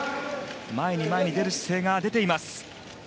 前に前に出る姿勢が出ています。